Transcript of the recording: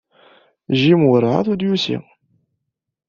Jim werɛad ur d-yusi.